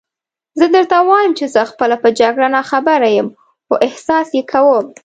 زه درته وایم چې زه خپله په جګړه ناخبره یم، خو احساس یې کوم.